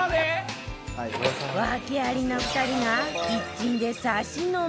訳ありな２人がキッチンでサシ飲み